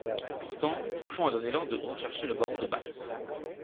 Pourtant Cochon a donné l'ordre de rechercher le baron de Batz.